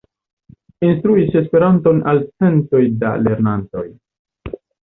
Instruis Esperanton al centoj da lernantoj.